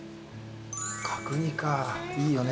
角煮かいいよね。